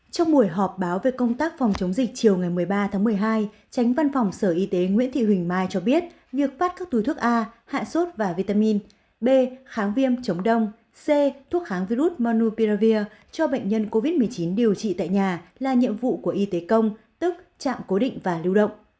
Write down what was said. trong buổi họp báo về công tác phòng chống dịch chiều ngày một mươi ba tháng một mươi hai tránh văn phòng sở y tế nguyễn thị huỳnh mai cho biết việc phát các túi thuốc a hạ sốt và vitamin b kháng viêm chống đông c thuốc kháng virus monu piravir cho bệnh nhân covid một mươi chín điều trị tại nhà là nhiệm vụ của y tế công tức trạm cố định và lưu động